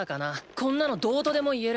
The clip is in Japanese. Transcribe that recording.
こんなのどうとでも言える。